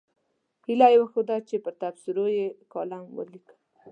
هیله یې وښوده چې پر تبصرو یې کالم ولیکم.